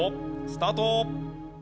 スタート。